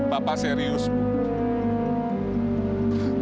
bapak serius bu